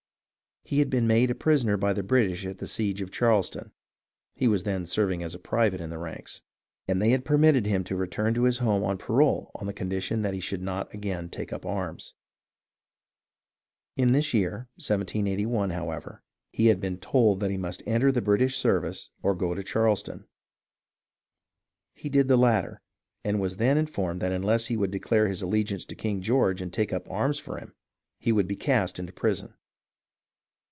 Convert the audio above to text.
He had been made a prisoner by the British at the siege of Charleston (he was then serving as a private in the ranks), and they had permitted him to return to his home on parole on the condition that he should not again take up arms. In this year (1781), how ever, he had been told that he must enter the British ser vice or go to Charleston. He did the latter, and was then informed that unless he would declare his allegiance to King George and take up arms for him he would be cast into prison.